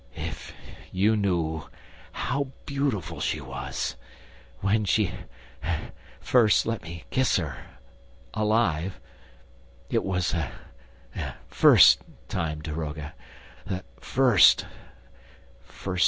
... If you knew how beautiful she was ... when she let me kiss her ... alive ... It was the first ... time, daroga, the first